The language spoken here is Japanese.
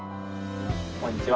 こんにちは。